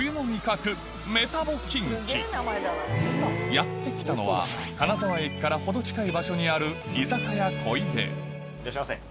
やって来たのは金沢駅から程近い場所にあるいらっしゃいませ。